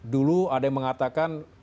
dulu ada yang mengatakan